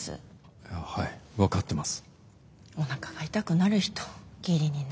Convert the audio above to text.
はいだから分かってます。